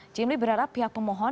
jimli berharap pihak pemohon